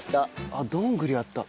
あっどんぐりあった。